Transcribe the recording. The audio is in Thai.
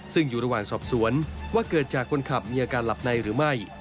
ซึ่งอยู่ระหว่างสอบสวนว่าเกิดจากคนขับมีอาการหลับในหรือไม่